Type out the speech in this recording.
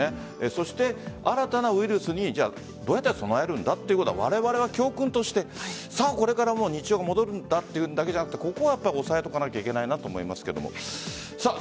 そして新たなウイルスにどうやって備えるんだということをわれわれは教訓としてこれから日常が戻るんだというだけじゃなくここは押さえておかなければいけないなと思いますが。